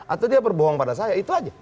atau dia berbohong pada saya itu aja